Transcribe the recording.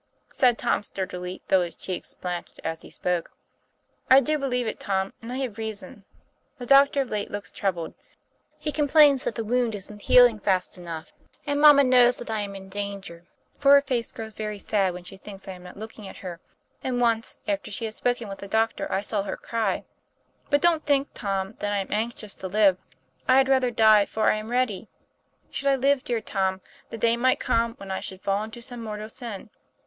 said Tom sturdily, though his cheek blanched as he spoke. 'I do believe it, Tom, and I have reason. The doctor of late looks troubled. He complains that the wound isn't healing fast enough. And mamma 24 TOM PLAYFAIR. knows that I am in danger; for her face grows very sad when she thinks I am not looking at her; and once, after she had spoken with the doctor, I saw her cry. But don't think, Tom, that I am anxious to live; I had rather die, for I am ready. Should I live, dear Tom, the day might come when I should fall into some mortal sin.